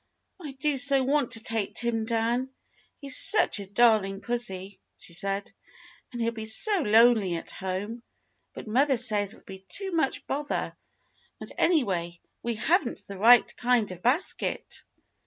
"I do so want to take Tim down, he's such a dar ling pussy," she said, "and he'll be so lonely at home, but mother says it'll be too much bother, and, any way, we have n't the right kind of basket."